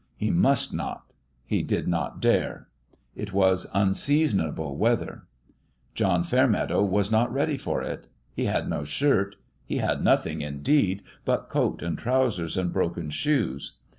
He must not : he did not dare. It was unseasonable weather. John Fairmeadow was not ready for it : he had no shirt he had nothing, indeed, but coat and trousers and broken shoes.